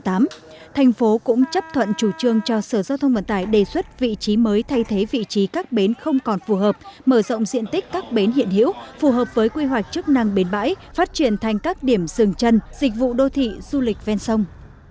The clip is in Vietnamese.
thành phố cũng chấp thuận chủ trương cho sở giao thông vận tải đề xuất vị trí mới thay thế vị trí các bến không còn phù hợp mở rộng diện tích các bến hiện hiểu phù hợp với quy hoạch chức năng bến bãi phát triển thành các điểm rừng chân dịch vụ đô thị du lịch ven sông